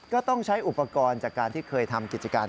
ก็ต้องใช้อุปกรณ์จากการที่เคยทำกิจการ